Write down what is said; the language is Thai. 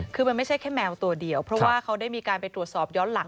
คือมันไม่ใช่แค่แมวตัวเดียวเพราะว่าเขาได้มีการไปตรวจสอบย้อนหลัง